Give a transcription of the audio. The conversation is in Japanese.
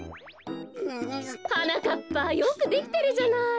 はなかっぱよくできてるじゃない。